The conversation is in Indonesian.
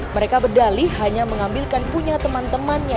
mereka berdali hanya mengambilkan punya teman temannya